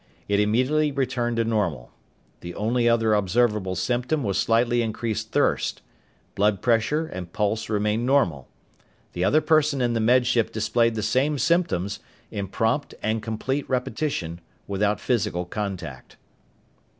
It immediately returned to normal. The only other observable symptom was slightly increased thirst. Bloodpressure and pulse remained normal. The other person in the Med Ship displayed the same symptoms, in prompt and complete repetition, without physical contact.